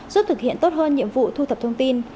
giúp thực hiện tốt hơn nhiệm vụ thu thập thông tin